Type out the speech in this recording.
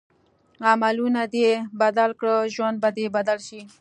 عملونه دې بدل کړه ژوند به دې بدل شي.